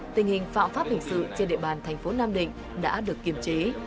tình hình phạm pháp hình sự trên địa bàn thành phố nam định đã được kiềm chế